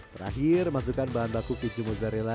terakhir masukkan bahan baku keju mozzarella